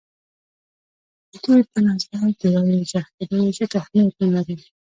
د دوی په نظر د رایو ذخیرې ځکه اهمیت نه لري.